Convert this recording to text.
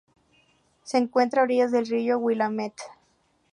Se encuentra a orillas del río Willamette.